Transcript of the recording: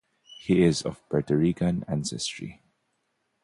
He is of Puerto Rican ancestry.